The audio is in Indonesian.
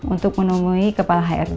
untuk menemui kepala hrd